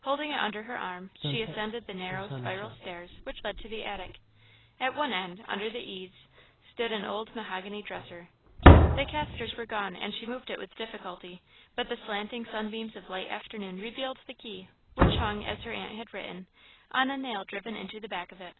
Holding it under her arm, she ascended the narrow, spiral stairs which led to the attic. At one end, under the eaves, stood an old mahogany dresser. The casters were gone and she moved it with difficulty, but the slanting sunbeams of late afternoon revealed the key, which hung, as her aunt had written, on a nail driven into the back of it.